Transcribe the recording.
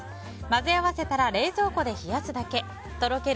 混ぜ合わせたら冷蔵庫で冷やすだけ。